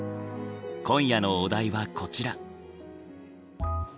今夜のお題はこちら。